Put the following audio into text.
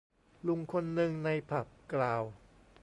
ลุงคนนึงในผับกล่าว